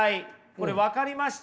これ分かりました？